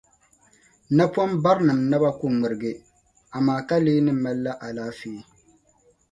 napɔmbarinim’ naba ku ŋmirigi, amaa ka lee ni malila alaafee.